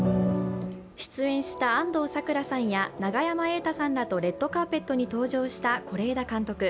出演した安藤サクラさんや永山瑛太さんらとレッドカーペットに登場した是枝監督。